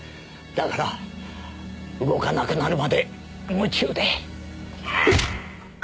だから動かなくなるまで夢中で。